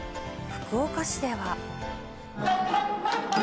福岡市では。